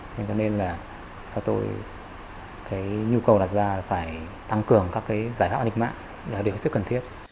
cho nên là theo tôi nhu cầu đặt ra phải tăng cường các giải pháp hạ tình mạng để có sức cần thiết